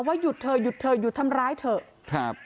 หยุดเธอหยุดเธอหยุดทำร้ายเถอะครับ